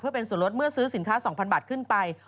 เพื่อเป็นส่วนลดเมื่อซื้อสินค้า๒๐๐บาทขึ้นไป